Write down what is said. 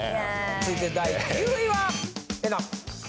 続いて第９位は！